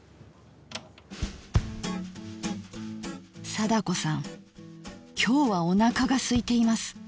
貞子さん今日はおなかがすいています。